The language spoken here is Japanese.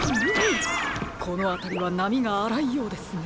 このあたりはなみがあらいようですね。